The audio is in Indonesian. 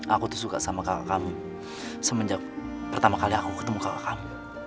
aku tuh suka sama kakak kami semenjak pertama kali aku ketemu kakak kami